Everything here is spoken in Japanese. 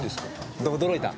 どう驚いた？